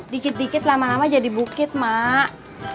dikit dikit lama lama jadi bukit mak